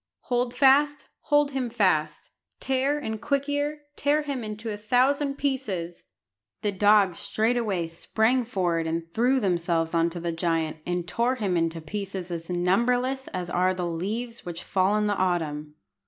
Hold fast, hold him fast; Tear and Quick ear, tear him into a thousand pieces!" The dogs straightway sprang forward and threw themselves on the giant, and tore him into pieces as numberless as are the leaves which fall in the autumn.